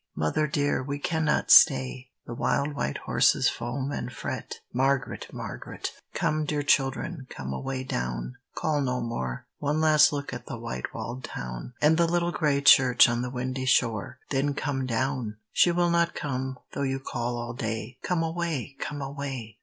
"Mother dear, we cannot stay! The wild white horses foam and fret." Margaret! Margaret! Come, dear children, come away down; Call no more! One last look at the white walled town, RAINBOW GOLD And the little gray church on the windy shore; Then come down! She will not come, though you call all day; Come away, come away!